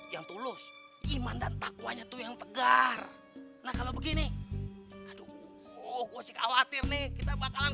yang tulus iman dan takcpnya itu yang tegar nah kalau begini aduh kuatir ini kita bakalan